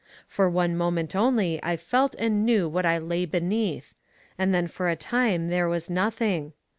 For one moment only I felt and knew what I lay beneath, and then for a time there was nothing.